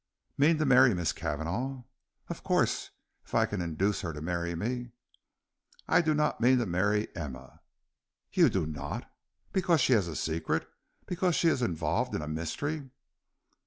"Mean to marry Miss Cavanagh?" "Of course, if I can induce her to marry me." "I do not mean to marry Emma." "You do not? Because she has a secret? because she is involved in a mystery?"